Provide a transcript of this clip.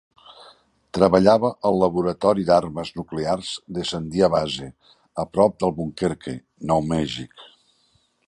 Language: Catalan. Treballava al Laboratori d'Armes Nuclears de Sandia Base, a prop d'Albuquerque, Nou Mèxic.